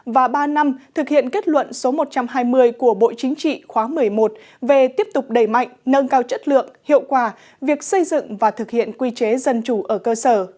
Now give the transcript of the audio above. và ba năm thực hiện kết luận số một trăm hai mươi của bộ chính trị khóa một mươi một về tiếp tục đẩy mạnh nâng cao chất lượng hiệu quả việc xây dựng và thực hiện quy chế dân chủ ở cơ sở